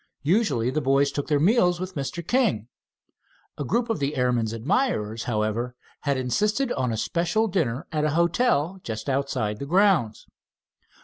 Usually the boys took their meals with Mr. King. A group of the airman's admirers, however, had insisted on a special dinner at a hotel just outside the grounds.